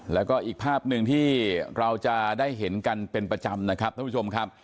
แล้วก็อีกภาพหนึ่งที่เราจะได้เห็นกันเป็นประจำนะครับท่านผู้ชมครับ